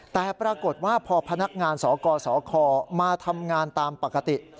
แต่ปรากฏว่าพอพนักงานสกสคมาทำงานตามปกติ